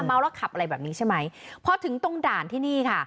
เมาแล้วขับอะไรแบบนี้ใช่ไหมพอถึงตรงด่านที่นี่ค่ะ